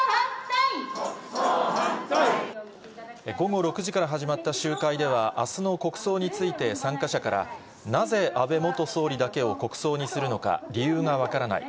午後６時から始まった集会では、あすの国葬について、参加者から、なぜ安倍元総理だけを国葬にするのか理由が分からない。